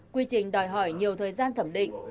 quy trình đòi hỏi nhiều thời gian thẩm định